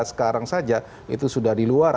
sekarang saja itu sudah di luar